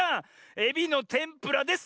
エビのてんぷらです。